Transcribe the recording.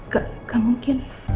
gak gak mungkin